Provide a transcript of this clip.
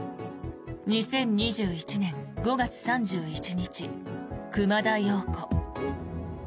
２０２１年５月３１日熊田曜子。